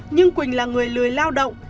nhưng quỳnh là người lười lao động